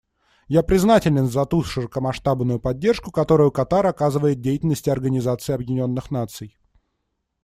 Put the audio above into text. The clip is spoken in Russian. Я признателен за ту широкомасштабную поддержку, которую Катар оказывает деятельности Организации Объединенных Наций.